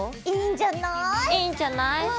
いいんじゃない？いいんじゃない？